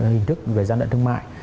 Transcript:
hình thức về gian đoạn thương mại